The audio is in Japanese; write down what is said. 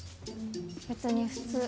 別に普通。